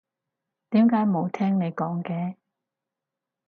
點解冇聽你講嘅？